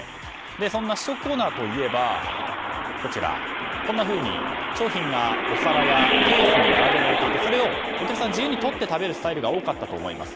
そんな試食コーナーといえばこんなふうに商品がお皿やケースに並べられていてそれをお客さんが自由にとって食べるスタイルが多かったと思います。